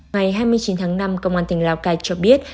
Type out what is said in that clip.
ngày hai mươi chín tháng năm công an tỉnh lào cai cho biết